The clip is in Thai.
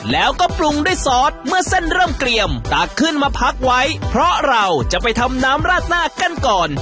แล้วก็ปรุงด้วยซอสเมื่อเส้นเริ่มเกลี่ยมตักขึ้นมาพักไว้เพราะเราจะไปทำน้ำราดหน้ากันก่อน